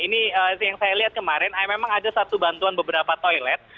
ini yang saya lihat kemarin memang ada satu bantuan beberapa toilet